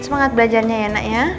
semangat belajarnya ya nak ya